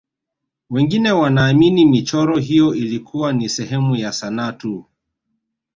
wengine wanaamini michoro hiyo ilikuwa ni sehemu ya sanaa tu